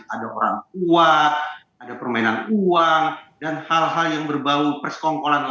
ada orang tua ada permainan uang dan hal hal yang berbau persekongkolan